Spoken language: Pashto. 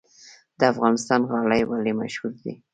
د افغانستان غالۍ ولې مشهورې دي؟